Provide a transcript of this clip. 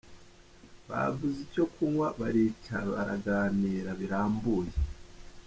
Baguze icyo kunywa baricara baraganira birambuye.